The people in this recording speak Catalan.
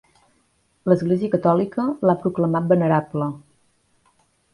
L'Església Catòlica l'ha proclamat venerable.